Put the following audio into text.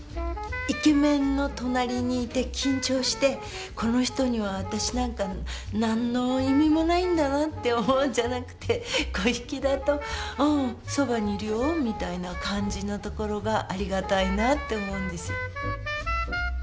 イケメンの隣にいて緊張して「この人には私なんか何の意味もないんだな」って思うんじゃなくて粉引だと「おうそばにいるよ」みたいな感じのところがありがたいなって思うんです。